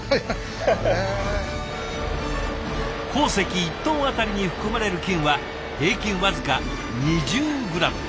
鉱石１トンあたりに含まれる金は平均僅か２０グラム。